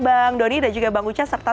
bang dondi dan juga bang usha serta